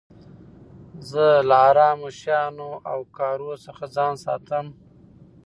زه له حرامو شيانو او کارو څخه ځان ساتم.